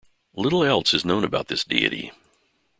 Little else is known about this deity.